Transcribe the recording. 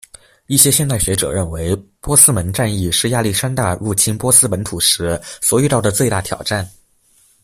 一些现代学者认为波斯门战役是亚历山大入侵波斯本土时所遇到的最大挑战。